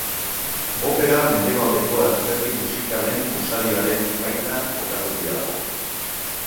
Opera mendebaldeko antzerki musikalen usadioaren baitan kokaturik dago.